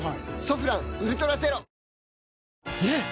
「ソフランウルトラゼロ」ねえ‼